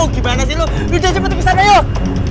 gimana sih lu udah cepet kesana yuk